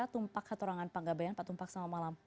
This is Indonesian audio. tumpak hatorangan panggabayan pak tumpak selamat malam